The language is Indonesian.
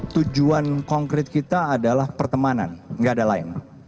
tujuan konkret kita adalah pertemanan nggak ada lain